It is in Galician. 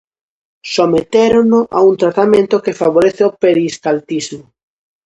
Sometérono a un tratamento que favorece o peristaltismo.